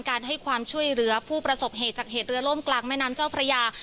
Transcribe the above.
ให้ความช่วยเหลือผู้ประสบเหตุจากเหตุเรือล่มกลางแม่น้ำเจ้าพระยา